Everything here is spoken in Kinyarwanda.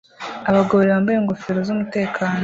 Abagabo babiri bambaye ingofero z'umutekano